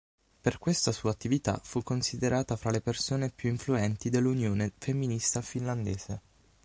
Per questa sua attività fu considerata fra le persone più influenti dell'"Unione femminista finlandese".